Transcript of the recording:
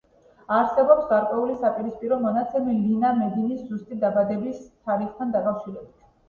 არსებობს გარკვეული საპირისპირო მონაცემი ლინა მედინის ზუსტი დაბადების თარიღთან დაკავშირებით.